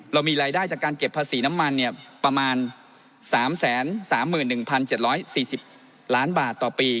เรามีรายได้จากการเก็บภาษีน้ำมันประมาณ๓๓๑๗๔๐ล้านบาทต่อปี